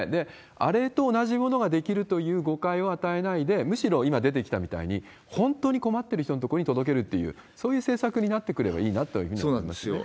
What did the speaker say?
あれと同じものができるという誤解を与えないで、むしろ今出てきたみたいに、本当に困ってる人のところに届けるっていう、そういう政策になってくればいいなというふうに思いますね。